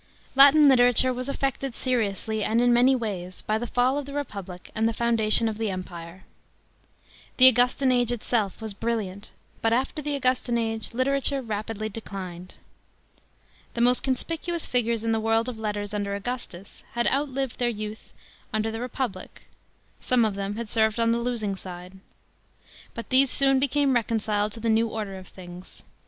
§ 1. LATIN literature was affected seriously, and in many ways, by the fall of the Republic and the foundation of the Empire. The Augustan age itself was brilliant, but after the Augustan age literature rapidly declined. The most conspicuous figures in the world of letters under Augustus had outlived their youth under the Republic ; some of them had served on the losing side. But these soon became reconciled to the new order of things.